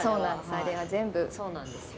あれは全部そうなんですよ